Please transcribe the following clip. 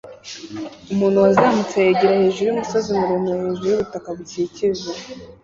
Umuntu wazamutse yegera hejuru yumusozi muremure hejuru yubutaka bukikije